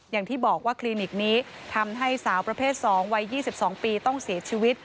อย่างที่บอกว่าคลินิกนี้ทำให้สาวประเภท๒วัย๒๒ปีต้องเสียชีวิต